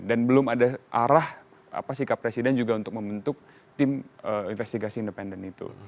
dan belum ada arah apa sikap presiden juga untuk membentuk tim investigasi independen itu